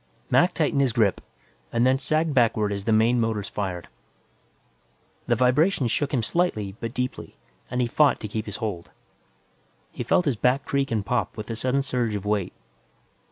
Mac tightened his grip, and then sagged backward as the main motors fired. The vibrations shook him slightly but deeply, and he fought to keep his hold. He felt his back creak and pop with the sudden surge of weight.